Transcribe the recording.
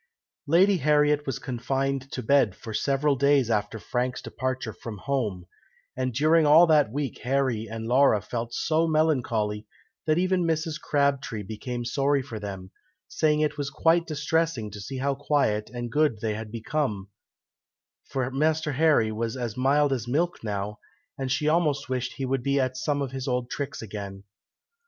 Lady Harriet was confined to bed for several days after Frank's departure from home, and during all that week Harry and Laura felt so melancholy, that even Mrs. Crabtree became sorry for them, saying it was quite distressing to see how quiet and good they had become, for Master Harry was as mild as milk now, and she almost wished he would be at some of his old tricks again.